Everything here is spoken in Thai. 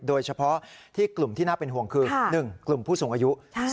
โดยเฉพาะที่กลุ่มที่น่าเป็นห่วงคือ๑กลุ่มผู้สูงอายุ